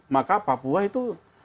maka papua itu